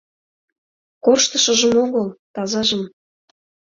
Корштышыжым огыл — тазажым.